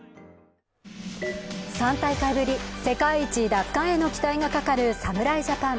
３大会ぶり、世界一奪還への期待がかかる侍ジャパン。